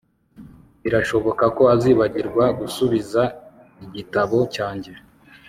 Birashoboka ko azibagirwa gusubiza igitabo cyanjye